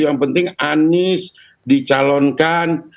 yang penting anies dicalonkan